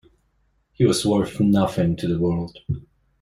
He was worth nothing to the world.